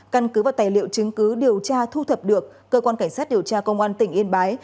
căn cứ vào tài liệu chứng cứ điều tra thu thập được cơ quan cảnh sát điều tra công an tỉnh yên bái